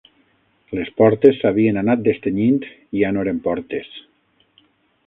Les portes s'havien anat destenyint i ja no eren portes